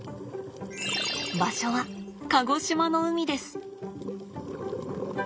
場所は鹿児島の海です。